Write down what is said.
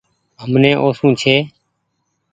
امني اوسون ڇي۔